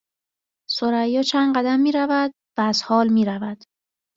ثریا چند قدم میرود و از حال میرود